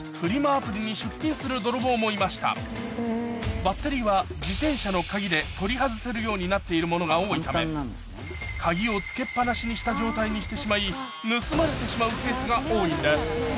アプリに出品する泥棒もいましたようになっているものが多いため鍵を付けっぱなしにした状態にしてしまい盗まれてしまうケースが多いんです